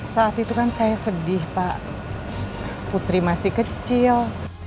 saat itu kan saya sedih pak putri masih kecil